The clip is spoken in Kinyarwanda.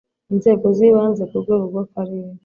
inzego z ibanze ku rwego rw Akarere